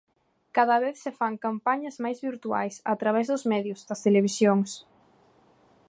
Cada vez se fan campañas máis virtuais, a través dos medios, das televisións.